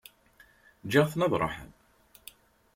Ǧǧiɣ-ten ad ṛuḥen.